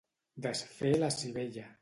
Desfer la sivella.